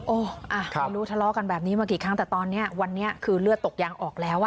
ไม่รู้ทะเลาะกันแบบนี้มากี่ครั้งแต่ตอนนี้วันนี้คือเลือดตกยางออกแล้วอ่ะ